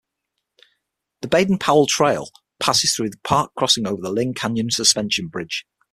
The Baden-Powell Trail passes through the park crossing over the Lynn Canyon Suspension Bridge.